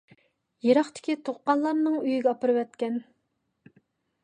يىراقتىكى تۇغقانلارنىڭ ئۆيىگە ئاپىرىۋەتكەن.